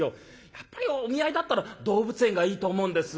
やっぱりお見合いだったら動物園がいいと思うんです。